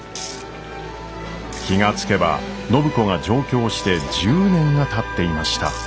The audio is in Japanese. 気が付けば暢子が上京して１０年がたっていました。